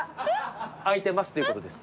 開いてますっていうことです。